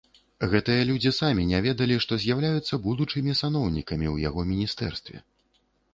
Гэтыя людзі самі не ведалі, што з'яўляюцца будучымі саноўнікамі ў яго міністэрстве.